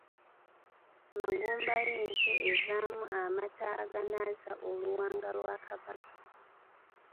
Magumba y'ente evaamu amata agaanaaza oluwanga lwa Kabaka.